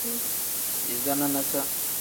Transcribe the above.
Iza nanasa.